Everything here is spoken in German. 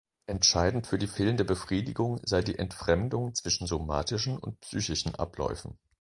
Entscheidend für die fehlende Befriedigung sei die Entfremdung zwischen somatischen und psychischen Abläufen.